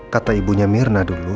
kata ibunya mirna dulu